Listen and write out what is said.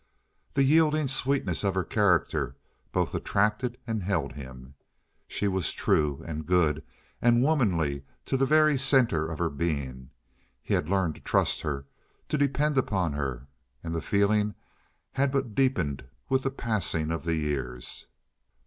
The yielding sweetness of her character both attracted and held him. She was true, and good, and womanly to the very center of her being; he had learned to trust her, to depend upon her, and the feeling had but deepened with the passing of the years.